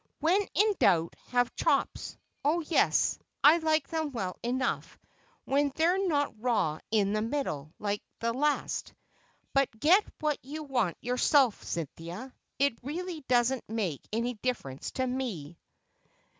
"When in doubt, have chops. Oh, yes, I like them well enough, when they're not raw in the middle, like the last. But get what you want yourself, Cynthia, it really doesn't make any difference to me."